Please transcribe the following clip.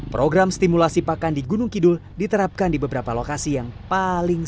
program stimulasi pakan di gunung kidul diterapkan di beberapa lokasi yang paling